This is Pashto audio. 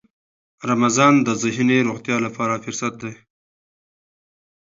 رمضان د ذهني روغتیا لپاره فرصت دی.